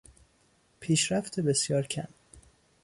پیشرفت بسیار کم